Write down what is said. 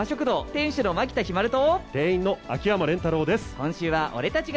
店員の楓山蓮太郎です。